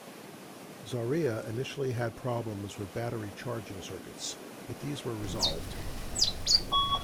Zarya initially had problems with battery charging circuits, but these were resolved.